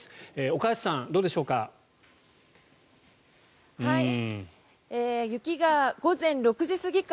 岡安さん、どうでしょうか。